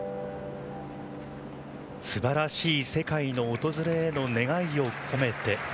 すばらしい世界の訪れへの願いを込めて。